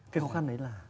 cái khó khăn đấy là